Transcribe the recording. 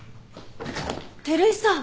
照井さん。